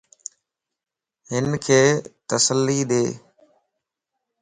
ھنک تسلي ڏي